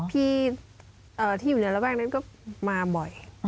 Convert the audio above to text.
พี่ที่อยู่ในระแวกนั้นก็มาบ่อย